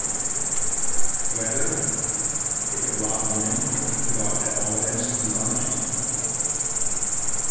] Whether, if it robbed women, it ought at all events to be punished?